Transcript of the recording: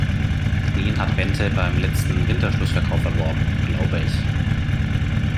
Den hat Bente beim letzten Winterschlussverkauf erworben, glaube ich.